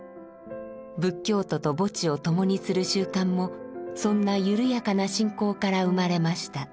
仏教徒と墓地を共にする習慣もそんな緩やかな信仰から生まれました。